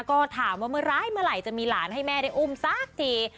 ก็ถามว่าเมื่อร้ายเมื่อไหร่จะมีหลานให้แม่ได้อุ้มสักที